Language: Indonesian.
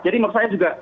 jadi maksud saya juga